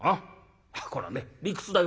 こらね理屈だよ。